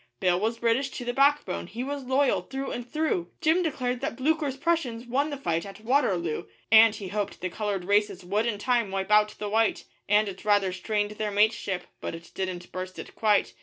Bill was British to the backbone, he was loyal through and through; Jim declared that Blucher's Prussians won the fight at Waterloo, And he hoped the coloured races would in time wipe out the white And it rather strained their mateship, but it didn't burst it quite.